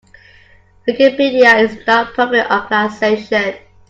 Wikipedia is a non-profit organization.